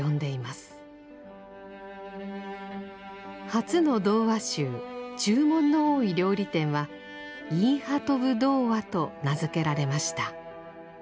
初の童話集「注文の多い料理店」は「イーハトヴ童話」と名付けられました。